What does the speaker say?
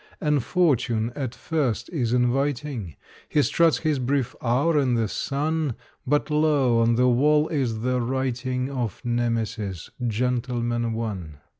And fortune at first is inviting He struts his brief hour in the sun But, lo! on the wall is the writing Of Nemesis, "Gentleman, One".